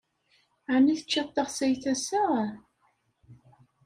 Ɛni teččiḍ taxsayt ass-a?